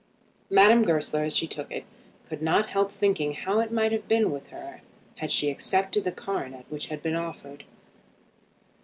Madame Goesler, as she took it, could not help thinking how it might have been with her had she accepted the coronet which had been offered.